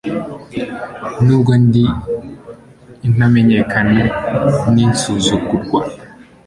N’ubwo ndi intamenyekana n’insuzugurwa